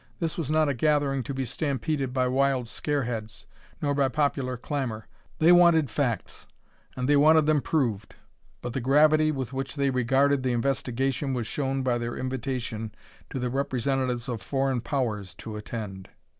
This was not a gathering to be stampeded by wild scareheads, nor by popular clamor. They wanted facts, and they wanted them proved. But the gravity with which they regarded the investigation was shown by their invitation to the representatives of foreign powers to attend.